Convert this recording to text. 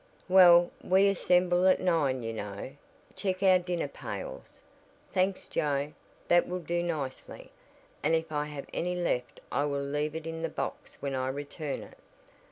"Well, we assemble at nine you know; check our dinner pails. Thanks Joe, that will do nicely, and if I have any left I will leave it in the box when I return it.